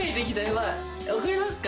わかりますか？